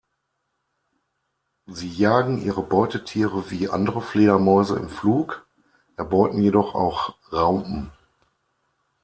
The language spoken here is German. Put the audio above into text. Sie jagen ihre Beutetiere wie andere Fledermäuse im Flug, erbeuten jedoch auch Raupen.